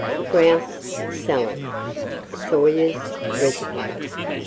GROUSE SALAD. (Soyer's Recipe.)